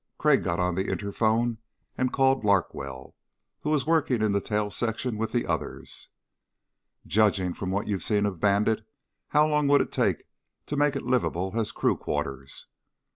Crag got on the interphone and called Larkwell, who was working in the tail section with the others. "Judging from what you've seen of Bandit, how long would it take to make it livable as crew quarters?"